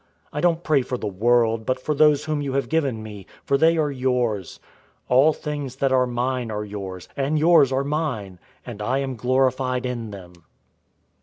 I don't pray for the world, but for those whom you have given me, for they are yours. 017:010 All things that are mine are yours, and yours are mine, and I am glorified in them.